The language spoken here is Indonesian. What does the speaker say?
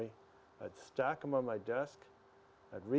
yaitu mengurus komentari